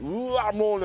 もうね